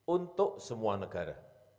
untuk semua negara